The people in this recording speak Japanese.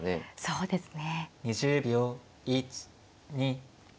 そうですね。